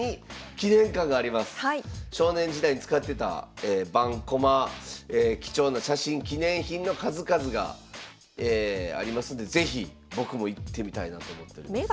少年時代に使ってた盤駒貴重な写真記念品の数々がありますんで是非僕も行ってみたいなと思っております。